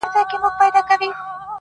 کافر دروغ پاخه رشتیا مات کړي,